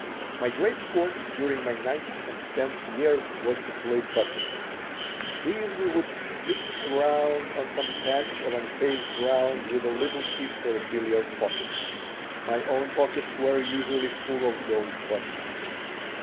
My great sport during my ninth and tenth years was to play buttons. These we would fillip around on some patch of unpaved ground with a little pit for a billiard pocket. My own pockets were usually full of these buttons.